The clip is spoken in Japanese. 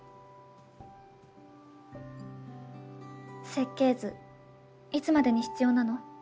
設計図いつまでに必要なの？